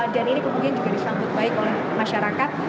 ini kemudian juga disambut baik oleh masyarakat